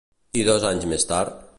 I dos anys més tard?